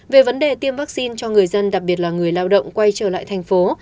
về vấn đề tiêm vaccine cho người dân đặc biệt là người lao động quay trở lại thành phố